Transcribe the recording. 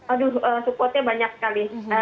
aduh supportnya banyak sekali